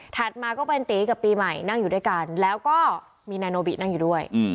มาก็เป็นตีกับปีใหม่นั่งอยู่ด้วยกันแล้วก็มีนายโนบินั่งอยู่ด้วย